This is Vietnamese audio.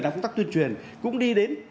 làm công tác tuyên truyền cũng đi đến